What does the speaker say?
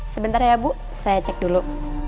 sebentar ya bu saya cek dulu